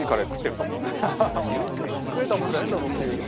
食えたもんじゃねえんだぞって。